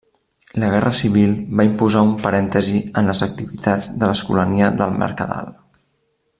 La Guerra Civil va imposar un parèntesi en les activitats de l’Escolania del Mercadal.